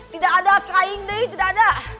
tidak ada trying day tidak ada